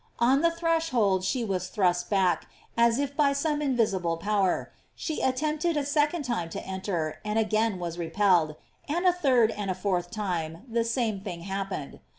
On the threshold she was thrust back, as if by some invisible power; she attempted a second time to enter, and again was repelled, and a third and a fourth time the same thing happened.